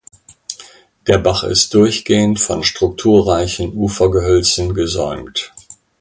Der Bach ist durchgehend von strukturreichen Ufergehölzen gesäumt.